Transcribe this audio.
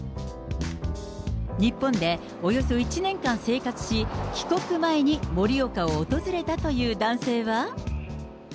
日本でおよそ１年間生活し、帰国前に盛岡を訪れたという男性は。